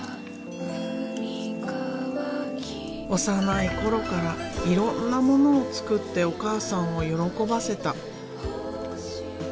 幼い頃からいろんなものを作ってお母さんを喜ばせた。